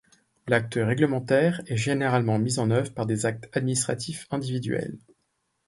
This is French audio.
L'acte réglementaire est généralement mis en œuvre par des actes administratifs individuels.